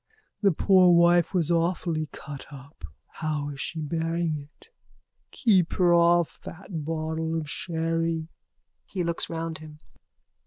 The poor wife was awfully cut up. How is she bearing it? Keep her off that bottle of sherry. _(He looks round him.)